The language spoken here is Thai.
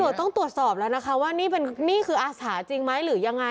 ต้องตรวจสอบแล้วนะคะว่านี่เป็นนี่คืออาสาจริงไหมหรือยังไง